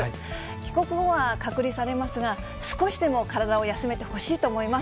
帰国後は隔離されますが、少しでも体を休めてほしいと思います。